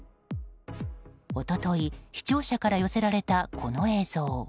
一昨日、視聴者から寄せられたこの映像。